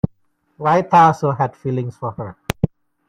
Raita also had feelings for her.